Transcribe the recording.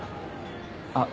あっ